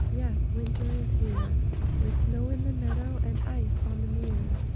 Yes, Winter is here; With snow on the meadow, And ice on the mere.